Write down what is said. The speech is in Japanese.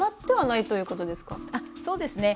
そうですね。